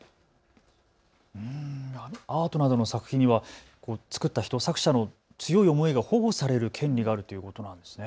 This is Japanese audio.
アートなどの作品には作った人、作者の強い思いが保護される権利があるっていうことなんですね。